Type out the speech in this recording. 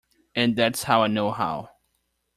And that's how I know how.